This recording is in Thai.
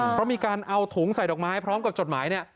เพราะมีการเอาถุงใส่ดอกไม้พร้อมกับจดหมายเนี่ย